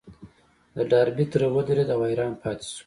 د ډاربي تره ودرېد او حيران پاتې شو.